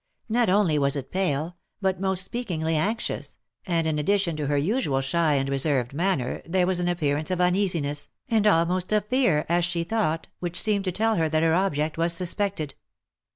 Not only was it pale, but most speakingly anxious, and in addition to her usual shy and reserved manner there was an appearance of uneasiness, and almost of fear, as she thought, which seemed to tell that her object was suspected.